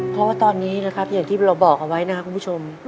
เพราะว่าตอนนี้นะครับอย่างที่เราบอกเอาไว้นะครับคุณผู้ชม